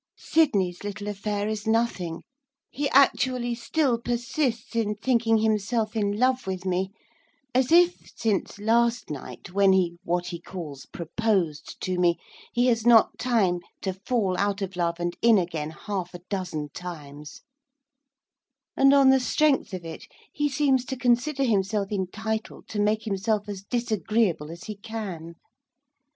Sydney's little affair is nothing. He actually still persists in thinking himself in love with me, as if, since last night, when he what he calls 'proposed' to me, he has not time to fall out of love, and in again, half a dozen times; and, on the strength of it, he seems to consider himself entitled to make himself as disagreeable as he can.